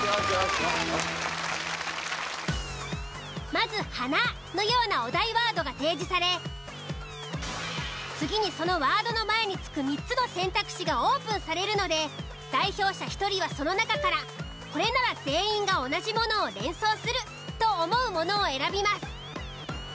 まず「花」のようなお題ワードが提示され次にそのワードの前に付く３つの選択肢がオープンされるので代表者１人はその中からこれなら全員が同じものを連想すると思うものを選びます。